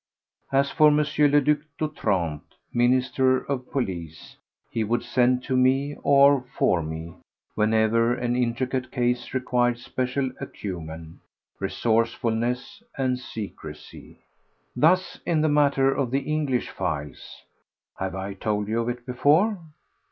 As for M. le Duc d'Otrante, Minister of Police, he would send to me or for me whenever an intricate case required special acumen, resourcefulness and secrecy. Thus in the matter of the English files—have I told you of it before?